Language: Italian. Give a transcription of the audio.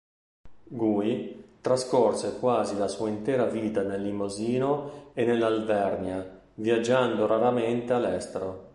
Gui trascorse quasi la sua intera vita nel Limosino e nell'Alvernia, viaggiando raramente all'estero.